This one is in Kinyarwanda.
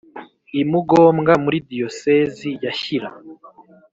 i Mugombwa muri Diyosezi ya shyira